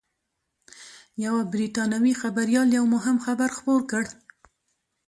یوه بریټانوي خبریال یو مهم خبر خپور کړ